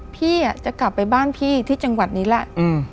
พี่จะกลับไปบ้านพี่ที่จังหวัดนี้แหละ